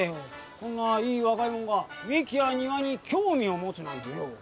こんないい若いもんが植木や庭に興味を持つなんてよ。